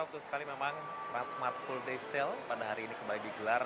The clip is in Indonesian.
betul sekali memang transmart full day sale pada hari ini kembali digelar